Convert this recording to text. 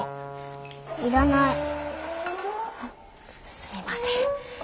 すみません。